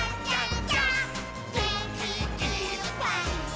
「げんきいっぱいもっと」